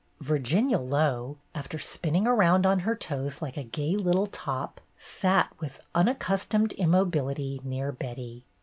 Virginia Low, after spinning around on her toes like a gay little top, sat with unaccustomed immobility near Betty.